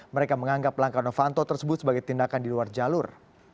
mereka menganggap langkah novanto tersebut sebagai tindakan di luar jalur